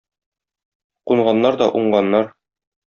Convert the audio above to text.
Кунганнар да уңганнар.